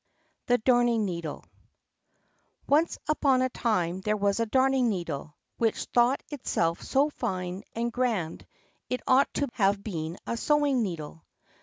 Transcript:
The Darning Needle Once upon a time there was a Darning needle which thought itself so fine and grand it ought to have been a sewing needle.